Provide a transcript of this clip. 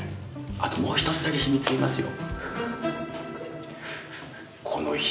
あともう１つだけ秘密言いますよ。